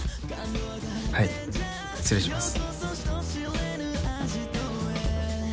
はい失礼します。